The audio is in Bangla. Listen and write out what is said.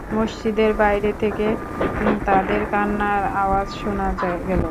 মসজিদের বাইরে থেকে তাদের কান্নার আওয়াজ শোনা গেল।